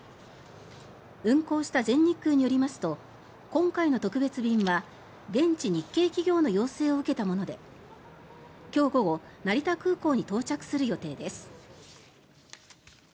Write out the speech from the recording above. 運航した全日空によりますと今回の特別便は現地日系企業の要請を受けたもので今日午後成田空港に到着する予定です。